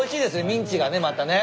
ミンチがねまたね。